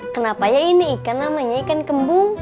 kenapa ya ini ikan namanya ikan kembung